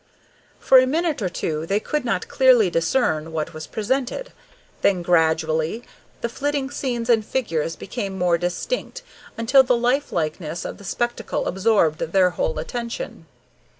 For a minute or two they could not clearly discern what was presented; then, gradually, the flitting scenes and figures became more distinct until the lifelikeness of the spectacle absorbed their whole attention.